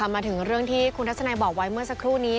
มาถึงเรื่องที่คุณทัศนัยบอกไว้เมื่อสักครู่นี้